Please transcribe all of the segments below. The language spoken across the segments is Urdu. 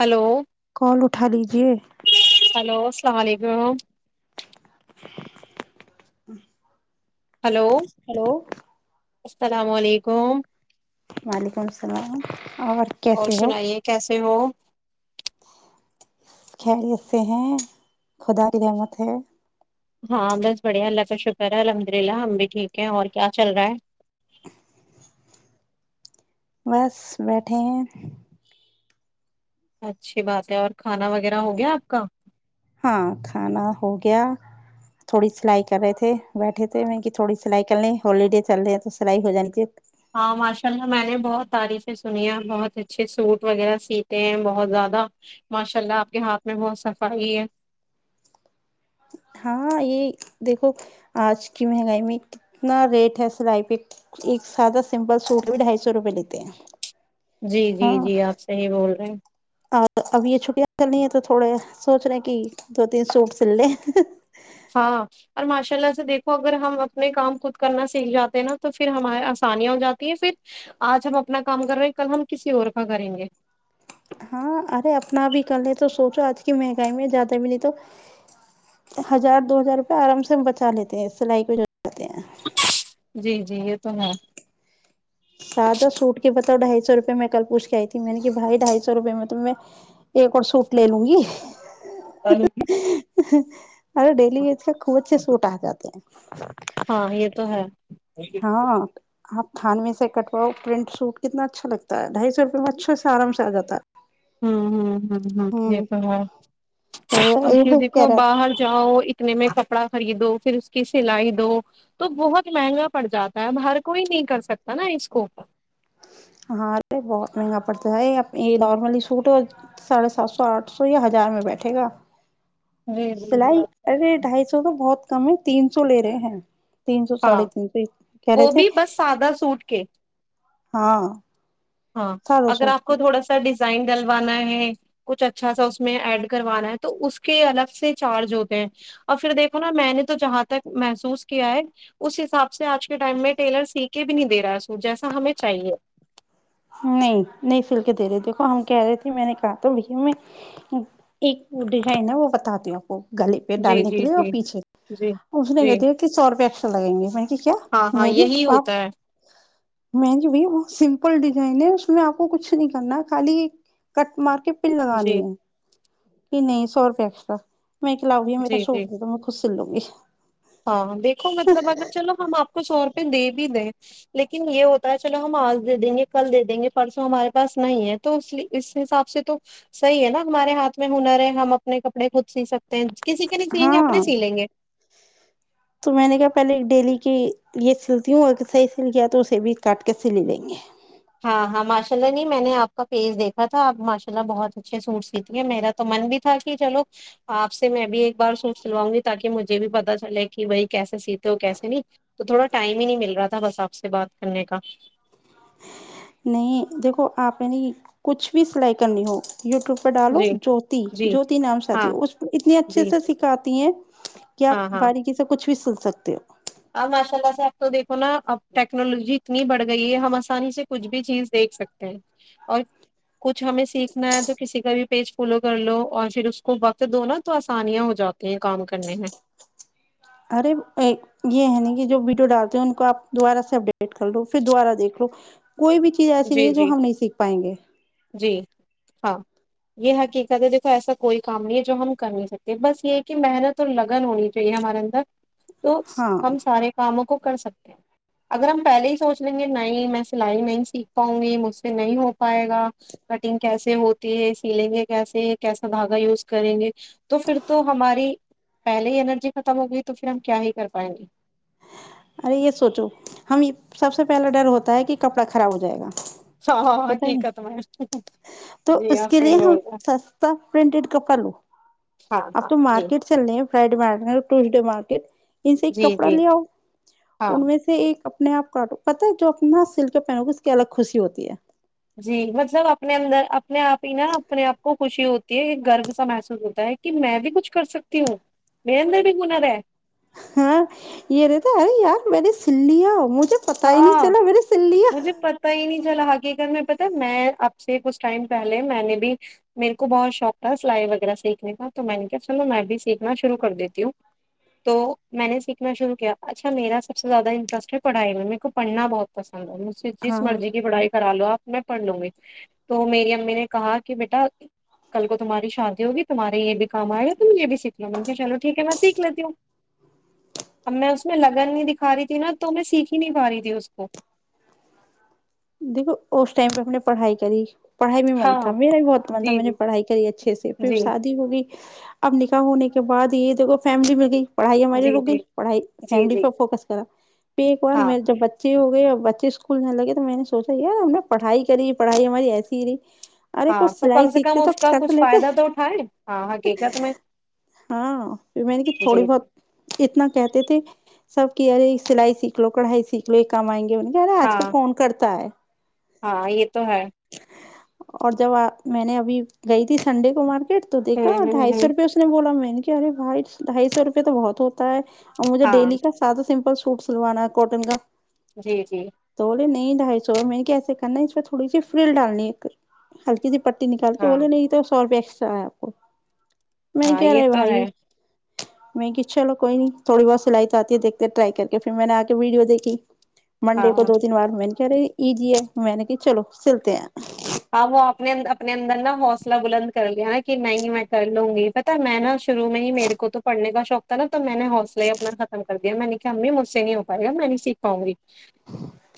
ہلو کال اٹھا لیجیے ہلو السلام علیکم [inaudible] ہلو ہیلو السلام علیکم وعلیکم السلام اور کیسے ہو سنائیے کیسے ہو خیریت سے ہیں خدا کی رحمت ہے ہاں بس بڑھیا اللہ کا شکر ہے الحمد للہ ہم بھی ٹھیک ہیں اور کیا چل رہا ہے بس بیٹھے ہیں اچھی بات ہے اور کھانا وغیرہ ہو گیا آپ کا ہاں کھانا ہو گیا تھوڑی سلائی کر رہے تھے بیٹھے تھے م کی تھوڑی سلائی کر لے ہوالیڈے چل رہے ہیں تو سلائی ہو جانی تاہی ہاں ماشاء اللہ میں نے بہت تعریفیں سنی ہے بہت اچھے سوٹ وغیرہ سیتے ہیں بہت زیادہ ماشاء اللہ آپ کے ہاتھ میں بہت صفائی ہے ہاں یہ دیکھو آج کی مہنگائی میں کتنا ریٹ ہے سلائی پہ ایک سادہ سمپل سوٹ بھی ڈھائی سو روپے لیتے ہیں جی جی ہاں جی آپ صحیح بول رہے ہیں اور اب یہ چھٹیاں کرنی ہیں تو تھوڑے سوچ رہے ہیں کہ دو تین سوٹ سل لے ہاں اور ماشاء اللہ سے دیکھو اگر ہم اپنے کام خود کرنا سیکھ جاتے ہیں نا تو پھر ہمارے آسانیاں ہو جاتی ہیں پھر آج ہم اپنا کام کر رہے ہیں کل ہم کسی اور کا کریں گے ہاں ارے اپنا بھی کر لے تو سوچو آج کی مہنگائی میں زیادہ بھی نہیں تو ہزار دو ہزار روپئے آرام سے ہم بچا لیتے ہیں سلائی کو جاتے ہیں جی جی یہ تو ہے سادہ سوٹ کے بتاؤ ڈھائی سو روپئے میں کل پوچ کے آئی تھی میں نے کہ بھائی ڈھائی سو روپئے میں تو میں ایک اور سوٹ لے لوں گی ارے ڈیلی ویز کا خوب اچھے سوٹ آ جاتے ہاں یہ تو ہیں ہے ہاں آپ تھان میں سے کٹواؤ پرنٹ سوٹ کتنا اچھا لگتا ڈھائی سو روپئے میں اچھے سے آرام سے آاتا ہے ہ ہ ہ ہ یہ ہوں تو ہے اور پھر یہ کہہ دیکھو رہا باہر جاؤ سنے میں کپڑا خریدو پھر اس کی سلائی دو تو بہت مہنگا پڑ جاتا ہے اب ہر کوئی نہیں کر سکتا نا اس کو ہاں ارے بہت مہنگا پڑتا ہے یہ نارملی سوٹ ساڑھے سات سو آٹھ سو یا ہزار میں بیٹھے گا جی جی جی سلائی آپ صحیح کہہ ارے رہی ہیں۔ ڈھائی سو تو بہت کیں تین سو لے رہے ہیں تین سو ہاں ساڑھے تین سو کہہ وہ رہے تھے بھی بس سادہ سوٹ کے ہاں ہاں سادہ اگر سوٹ آپ کے کو تھوڑا سا ڈ ڈوانا ہے کچھ اچھا سا ایڈ کروا تو اس الگ سے چارج ہوتے ہیں اور پھر دیکھو نا میں نے تو جہاں تک محسوس کیا ہے اس حساب سے سے آج کے ٹائم میں ٹیلر سیکھ کہ بھی نہیں دے رہا ہے سو جیسا ہمیں چاہیے نہیں نہیں سل کے دے رہے دیکھو ہم کہہ رہے تھے میں نے کہا تھا بھیا میں ایک ڈیزائن ہے وہ بتاتی ہوں آپ کو گلی پیٹ جی ڈالنے کے جی لیے اور جی پیچھے جی اس نے کہ جی د کہ سو روپے ایکسٹرا لگیں گے م کیا ہاں ہاں م یہی پاپ ہوتا ہے میں جو بھی بت س ل ڈیزائن ہے اس میں آپ کو کچھ نہیں کرنا خال کٹ مار کے پن لگانی جی ہے کہ نہیں سو روپے اسٹرا میں کہ لاؤی جی میراھوٹ جی د تو میں خش چلو گے ہاں دیکھو مطلب اگر چلو ہم آپ کو سو روپئے دے بھی دیں لیکن یہ ہوتا ہے چلو ہم آج دے دیں گے کل دے دیں گے پرسوں ہمارے پاس نہیں ہے تو اس اس حساب سے تو صحیح ہے نا ہمارے ہاتھ میں ہنر ہے ہم اپنے کپڑے خود سی سکتے کسی کے نہیں سیئیں گے ہاں اپنے سی لیں گے تو میں نے کہ پہلے ڈیلی کی یہ سلتی ہوں اگر صحیح سل گیا تو اسے بھی کاٹ کے سلی لیں گے ہاں ہاں ماشاء اللہ نہیں میں نے آپ کا پیج دیکھا تھا آپ ماشاء اللہ بہت اچھے سوٹ سیتی ہیں میرا تو من بھی تھا کہ چلو آپ سے میں بھی ایک بار سوٹ سلواؤں گی تاکہ مجھے بھی پتہ چلے کہ بھائی کیسے سیتے ہو کیسے نہیں تو تھوڑا ٹائم ہی نہیں مل رہا تھا بس آپ سے بات کرنے کا نہیں دیکھو آپ نےنی کچھ بھی سلائی کرنی ہو یو ٹیوب پر ڈالو جی جوتی جی جوتی نام سے آتی ہاں ہے اس پ اتنی اچھے جی سے سکھاتی ہیں کہ آپ ہاں ہاں باریکی سے کچھ بھی س ستیم اب ماشاء اللہ سے اب تو دیکھو نا اب ٹیکنالوجی اتنی بڑھ گئی ہے ہم آسانی سے کچھ بھی چیز دیکھ سکتے ہیں اور کچھ ہمیں سیکھنا ہے جو کسی کا بھی پیج فالو کر لو اور پھر اس کو وقت دو نا تو آسانیاں ہو جاتی ہیں کام کرنے میں ارے یہ ہے نا کہ جو ویڈیو ڈالتے ہیں ان آپ دوبارہ سے اپڈیٹ کر لو پھر دوبارہ دیکھ لو کوئی بھی چیز ایسی نہیں جی ہے جو جی ہم نہیں سیکھ پائیں گے جی ہاں یہ حقیقت ہے دیکھو ایسا کوئی کام نہیں ہے جو ہم کر نہیں سکتے بس یہ کہ محنت اور لگن ہونی چاہیے ہمارے اندر تو ہاں ہم سارے کاموں کو کر سکتے ہیں اگر ہم پہلے ہی سوچ لیں گے نہیں میں سلائی نہیں سیکھ پاؤں گی مجھ سے نہیں ہو پائے گا کٹنگ کیسے ہوتی ہے سیلیںگے کیسے ہے کیسا دھاگا یوز کریں گے تو پھر تو ہماری پہلے ہی انرجی ختم ہوگئی تو پھر ہم کیا ہی کر پائیں گے ارے یہ سوچو ہم سب سے پہلا ڈر ہوتا ہے کہ کپڑا خراب ہو جائے گا ہاں ہوتا نہیں حقیقت میں تو جی اس آپ کے لیے صحیح ہم بول رہے ہیں۔ سستا پرنٹیڈ کپڑا لو ہاں اب ہاں تو جی مارکیٹ چل رہے ہیں فائڈ مارک ٹیوس ڈے مارکیٹ ان سے ایک جی کپڑا جی لے آؤ ہاں ان میں سے ایک اپنے آپ کاٹو پت ہے جو اپنا سلک پہنو گے اس کی الگ خوشی ہوتی ہے جی مطلب اپنے اندر اپنے آپ ہی نا اپنے آپ کو خوشی ہوتی ہے ایک گرو سا محسوس ہوتا ہے کہ میں بھی کچھ کر سکتی ہوں میرے اندر بھی ہنر ہے ہاں یہ رہتاا ے یار مریے سلیاں ا مجھے پتا ہی نہیں چلا م نےے سل لیا حق میں پتا میں اب سے کچھ ٹائم پہلے میں نے بھی میرے کو بہت شوق تھا سلائی وغیرہ سیکھنے کا تو میں نے کیا چلو میں بھی سیکھنا شروع کر دیتی ہوں تو میں نے سیکھنا شروع کیا اچھا میرا سب سے زیادہ انٹرسٹ ہے پڑنا بہت پس مجھ سے جس ہاں مرضی کی پڑھائی کرا لو آپ میں پڑھ لوں گی تو میری امی نے کہا کہ بیٹا کل کو تمہاری شادی ہوگی تمہارے یہ بھی کام آئے گا تم یہ بھی سیکھ لو م چلو ٹھیک ہے میں سیکھ لیتی ہوں اب میں اس میں لگن نہیں دکھا رہی تھی نا تو میں سیکھ کی نہیں ماری ت اس کو دیکھو اس ٹم پہ اپ نے پڑھائی کری پڑھائی میں من تھا ہاں میرا بھی بہت من تھا جی میں نے جی پڑھائی کری اچھے سے پھر جی شادی ہو گئی اب نکاح ہونے کے بعد یہ دیک فیملی میں گئی پڑھائی ہماری جی رک گئی جی پڑھائی جی فیملی جی پ فوکس کرا پ ایک ہاں بار جب بچے ہو گئے اب بچے اسکول نہ لگے تو میں نے سوچا یار ہم نے پڑائی کری پڑھائی ہماری ایسی ہی رہی ارے ہاں کوچ تو سلائی کم سے کم سیکھتے تو اس کا سک کچھ لیتے فائدہ تو اٹھائے ہاں حقیقت میں ہاں پھر میں نے کہ جی جی تھوڑی بہت اتنا کہتے تھے سب کی ارے سلائی سیکھ لو کڑھائی سیکھ لو یہ کام آئیں گے انہیں نا آج ہاں کل فون کر ہے ہاں یہ تو ہے اور جب آ میں نے ابھی گئی تھی سنڈے کو مار کٹ تو دیکا ہوں ہوں ڈھائی سو ہوں روپئےے اس نے بولا میں کہ ارے بھائی ڈھائی سو روپے تو بہت ہوتا ہے اور مجھے ہاں ڈیلی کا سادہ سمپل سوس روان ہے کاٹن کا جی جی تو نہیں ڈھائی سو میں نے کیسے کرنا ہے اس پہ تھوڑی سی فریل ڈالنی ایک ہلکی س پ نکال کے ہاں بولے ن یہ تو سو رپ س آپ کو میں ہاں کہہ یہ رہا تو بھائی ہے نہیں کہ چلو کوئی نہیں تھوڑی بہت سلائی تو آتی ہے دیکتے ٹرائی کر کے پھر میں نے آ کے ویڈیو دیکھی [unintelligible] ہاں منڈے کو دو تین بار م کہ رہے ای جی ہے میں نے کہ چلو چلتے آاں وہ اپنے اپنے اندر نا حوصلہ بلند کر لیا نا کہ نہیں میں کر لوں گی پتا میں نا شروع میں ہی میرے کو تو پڑھنے کا شوق تھا نا تو میں نے حوصلہ اپنا ختم کر دیا میں نے امی مجھ سے نہیں ہو پائے گا میں نہیں سیکھاؤں گی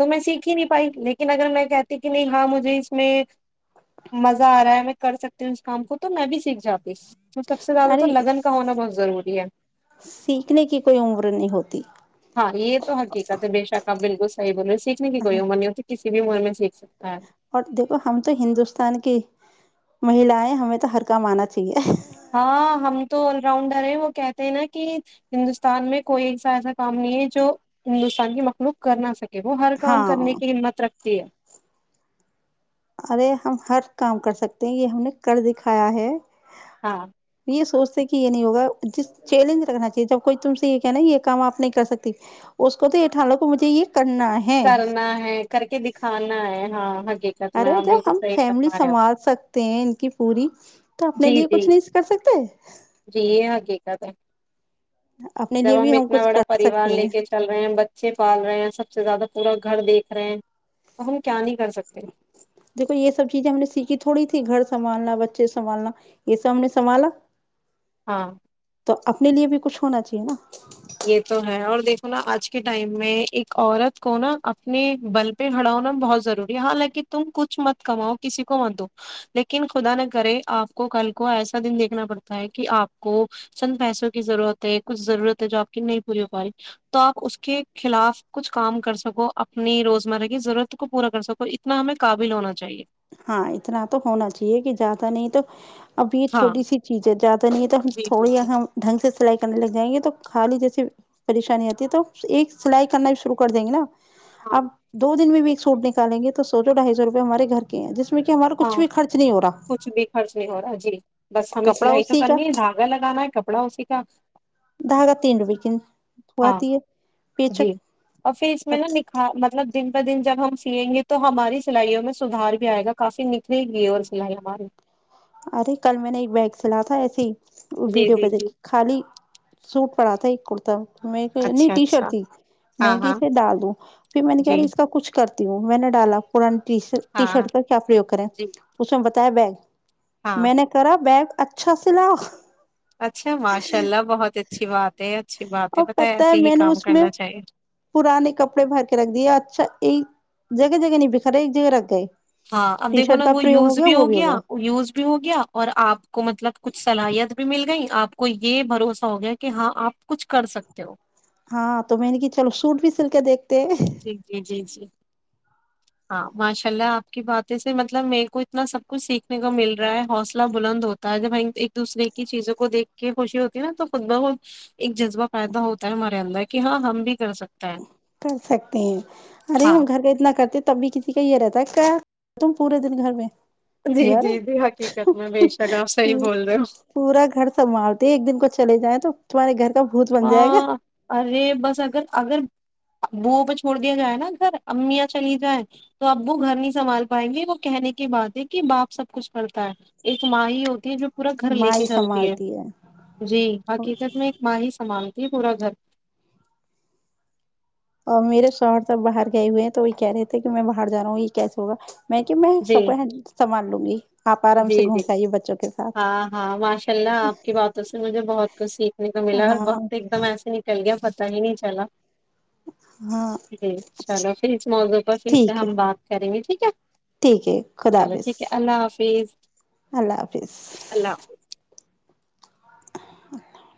تو میں سیکھ ہی نہیں پائی لیکن اگر میں کہتی کہ نہیں ہاں مجھے میں مزہ آ رہا ہے میں کر سکتی ہوں اس کام کو تو میں بھی سیکھ جا تو سب سے زیادہ ارے تو لگن کا ہونا بہت ضروری ہے سیکھنے کی کوئی عمر نہیں ہوتی ہاں یہ تو حقیقت ہے بے شک آپ بالکل صحیح بول رہے ہیں سیکھنے کی کوئی عمر نہیں ہوتی کسی بھی م میں سیکھ سک اور د تو ہم تو ہندوستان کی مہیلا ہےیں ہمیں تو ہر کا آنا چاہیے ہاں ہم تو آل راؤنڈر ہیں وہ کہتے ہیں نا کہ ہندوستان میں کوئی ایسا ایسا کام نہیں ہے جو ہندوستان کی مخلوق کر نہ سکے وہ ہر کام ہاں کرنے کی ہمت رکھتے [unintelligible] ارے ہم ہر کام کر سکتے ہیں یہ ہم نے کر دکھایا ہے ہاں سوچتے کہ یہ نہیں ہوگا جس چیلنج رکھنا چاہیے جب کوئی تم سے یہ کہنا یہ کام آپ نہیں کر سکتی اس کو تو یہٹھان لو کو مجھے یہ کرنا ہے کرنا ہے کر کے دکھانا ہے ہاں ہ ارے جب ہم فیملی سنوال سکتے ہیں ان کی پوری تو اپنے جی لیے جی کچھ نہیں کر سکتے جی [unintelligible] اپنے جب لیے ہم بھی اتنا کچھ بڑا کر پریوار سکتے ہیں لے کے چل رہے ہیں بچے پال رہے ہیں سب سے زیادہ پورا گھر دیکھ رہے ہیں تو ہم کیا نہیں کر سکتے دیکھو یہ سب چیزیں ہم نے سیکھی تھوڑی تھھی گھر سے سنبھالنا بچے سنبالنا یہ سام نے سنبھالا ہاں تو اپنے لیے بھی کچھ ہونا چاہیے نا یہ تو ہے اور دیکھو نا آج کے ٹائم میں ایک عورت کو نا اپنے بل پہ ہڑا ہوناا بہت ضروری ہے حالانکہ تم کچھ مت کماؤ کسی کو مت دو لیکن خدا نہ کرے آپ کو کل کو ایسا دن دیکھنا پڑتا ہے کہ آپ کو چند پیسوں کی ضرورت ہے کچھ ضرورت ہے جو آپ نہیں پوری ہو پا رہی تو آپ اس کے خلاف کچھ کام کر سکو اپنی روزمرہ کی ضرورت کو پورا کر سکو اتنا ہمیں قابل ہونا چاہیے ہاں اتنا تو ہونا چاہیے کہ زیادہ نہیں تو اب یہ ہاں چھوٹی سی چیز ہے زیادہ نہیں ہے تو ہم جی جی تھوڑی جی ہم ڈھنگ سے سلائی کرنے لگ جائیں گے تو خالی جیسی پریشانی آتی ہے تو ایک سلائی کرنا بھی شروع کر دیں گے نا ہاں اب دو دن میں بھی سوٹکالیں گے تو سو ڈھائی سو روپئے ہمارے گھر کے [unintelligible] ہاں کچھ بھی خرچ نہیں ہو رہا جی بس ہمیں کپڑا سلائی تو اسی کا کرنی ہے دھاگا لگانا ہے کپڑا اسی کا دھاگا تین روپے کی ہاں آتی ہے جی پیچک اور پھر اس میں نا نکھار مطلب دن بہ دن جب ہم سیئیں گے تو ہماری سلائیوں میں سدھار بھی آئے گا کافی نکھل گئی اور سلائی ہماری ارے کل میں نے ایک بگ چلا تھا ایسے ہی وہ جی ویڈیو جی پہ جی دیکھی خالی سوٹ پڑات تھا ایک کرتا میں نہیں اچھا ٹی شرٹ اچھا تھی ہاں میں کہ ہاں اسے ڈال دوں پھر میں نے کہہ جی رہی اس کا کچھ کر ہوں میں نے ڈالا پورن ٹی ہاں ہاں شرٹ کا کیا پریوگ کریں جی اس میں بتایا بیگ ہاں میں نے کرا بیگ اچھا سلا اچھا ماشاء اللہ بہت اچھی بات ہے اچھی بات اور پت ہے ایسے ہی میں نے کام اس میں کرنا چاہیے پرانے کپڑے بھر کے رکھ دیے اچھا یہ [inaudible] جگہ جگہ نہیںی ب خر ایک جگہ رگ گئے ہاں اب دیکھو نا وہ یوز بھی ہو گیا یوز بھی ہو گیا اور آپ کو مطلب کچھ صلاحیت بھی مل گئی آپ کو کو یہ بھروسہ ہو گیا کہ ہاں آپ کچھ کر سکتے ہو ہاں تو میں نے کہ چلو سوٹ بھی سل کے دیکھ جی جی جی جی ہاں ماشاء اللہ آپ کی باتیں سے مطلب میرے کو اتنا سب کچھ سیکھنے کو مل رہا ہے حوصلہ بلند ہوتا ہے جب ہم ایک دوسرے کی چیزوں کو دیکھ کے خوشی ہوتی ہے نا تو خود بخود ایک جذبہ پیدا ہوتا ہے ہمارے اندر کہ ہاں ہم بھی کر سکتا ہیں کر سکتے ہیں ارے ہاں ہم گھر کا اتنا کرتے تب بھی کسی کا یہ رہتا ہے کیا تم پورے دن گھر میں جی جی جی یارا حقیقت میں بے شک آپ صحیح بول رہے ہو پورا گھر سنبھالتے ایک دن کو چل جائیں تو تمہارے گھر کا بھوت بن جائے گا ہاں ارے بس اگر اگر ابوو پہ چھوڑ دیا جائے نا گھر امیاں چلی جائیں تو ابو گھر نہیں سنبھال پائیں گے وہ کہنے کی بات ہے کہ باپ سب کچھ کرتا ہے ایک ماں [unintelligible] ہوتی ہے جو پورا گھر لے ماں کے ہی چلتی ہے سنبھالتی جی حقیقت میں ایک ماہش [unintelligible] سامانتی پورا گھر [unintelligible] اور میرے شہر تب باہر گئے ہوئے ہیں تو وہی کہہ رہے تھے کہ میں باہر جا رہا ہوں یہ کیسے ہوگا [unintelligible] میں کہ میں جی سب کو سامان لوں گی [unintelligible] آرام جی سے گھوم جی پائیے بچوں کے ساتھ ہاں ہاں ماشاء اللہ آپ کی باتوں سے مجھے بہت کچھ سیکھنے کو ملا اور ہاں وقت ایک دم ایسے نکل گیا [unintelligible] ائ نہیں چ الا ہاں [unintelligible] جی چلو پھر اس موضوع پر پھر سے ٹھیک ہے ہم بات کریں گے ٹھیک ہے ٹھیک ہے خدا چلو حافظ ٹھیک ہے اللہ حافظ [unintelligible] اللہ حافظ اللہ حافظ [unintelligible] [unintelligible] اچ [inaudible] [unintelligible]